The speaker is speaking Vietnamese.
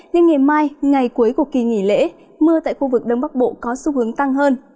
nên ngày mai ngày cuối của kỳ nghỉ lễ mưa tại khu vực đông bắc bộ có xu hướng tăng hơn